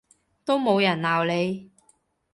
都冇人鬧你